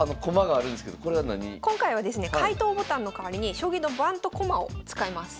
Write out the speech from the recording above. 今回はですね解答ボタンの代わりに将棋の盤と駒を使います。